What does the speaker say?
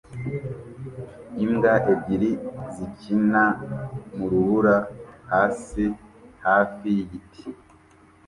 Imbwa ebyiri zikina mu rubura hasi hafi yigiti